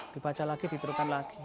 dibaca lagi ditirukan lagi